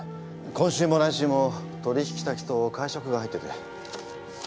今週も来週も取引先と会食が入ってて。